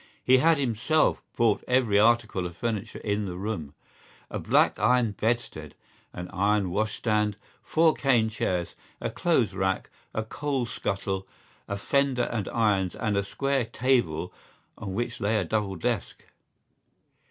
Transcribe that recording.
He had himself bought every article of furniture in the room: a black iron bedstead, an iron washstand, four cane chairs, a clothes rack, a coal scuttle, a fender and irons and a square table on which lay a double desk.